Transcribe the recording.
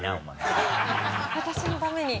えっ私のために？